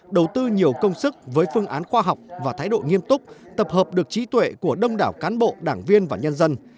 đầu tư nhiều công sức với phương án khoa học và thái độ nghiêm túc tập hợp được trí tuệ của đông đảo cán bộ đảng viên và nhân dân